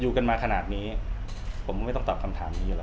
อยู่กันมาขนาดนี้ผมไม่ต้องตอบคำถามนี้หรอกครับ